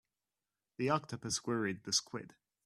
The octopus worried the squid.